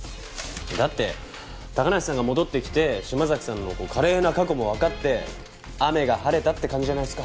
だって高梨さんが戻ってきて島崎さんの華麗な過去もわかって雨が晴れたって感じじゃないですか。